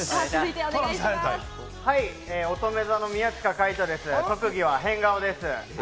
おとめ座の宮近海斗です、特技は変顔です。